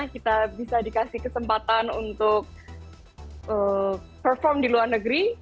kita bisa dikasih kesempatan untuk perform di luar negeri